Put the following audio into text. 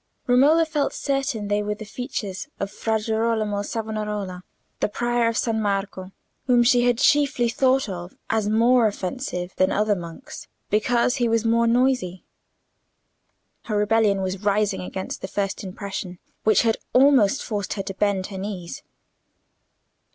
Romola felt certain they were the features of Fra Girolamo Savonarola, the prior of San Marco, whom she had chiefly thought of as more offensive than other monks, because he was more noisy. Her rebellion was rising against the first impression, which had almost forced her to bend her knees.